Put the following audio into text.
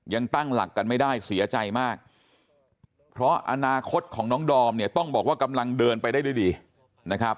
ยังตั้งหลักกันไม่ได้เสียใจมากเพราะอนาคตของน้องดอมเนี่ยต้องบอกว่ากำลังเดินไปได้ด้วยดีนะครับ